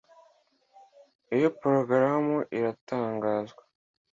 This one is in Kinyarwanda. Iyo porogaramu iratangazwa